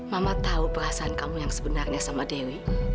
mama tahu perasaan kamu yang sebenarnya sama dewi